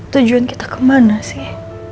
tujuan kita kemana sih